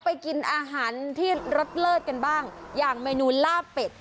ไปกินอาหารที่รสเลิศกันบ้างอย่างเมนูล่าเป็ด